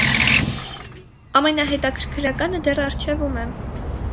Ամենահետաքրքրականը դեռ առջևում է։